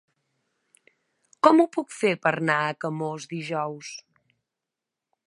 Com ho puc fer per anar a Camós dijous?